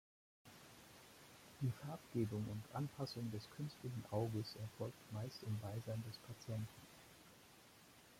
Die Farbgebung und Anpassung des künstlichen Auges erfolgt meist im Beisein des Patienten.